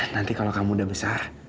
nanti kalau kamu udah besar